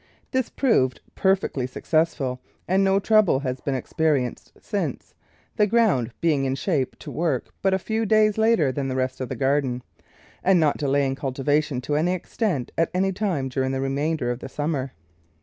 This proved perfectly successful and no trouble has been ex perienced since, the ground being in shape to work but a few days later than the rest of the garden and not delaying cultivation to any extent at any time during the remainder of the summer.